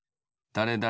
だれだれ